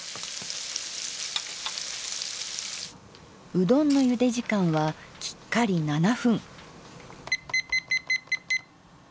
うどんのゆで時間はきっかり７分。